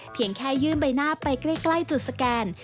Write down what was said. เพียงแค่ยื่นใบหน้าไปใกล้จุดสแกน